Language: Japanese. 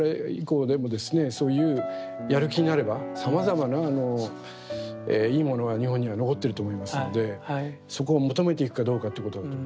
そういうやる気になればさまざまないいものは日本には残ってると思いますのでそこを求めていくかどうかってことだと思いますけれども。